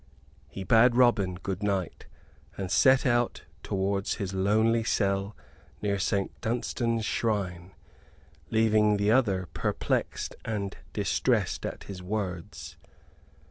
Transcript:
He bade Robin good night, and set out towards his lonely cell near St. Dunstan's shrine; leaving the other perplexed and distressed at his words.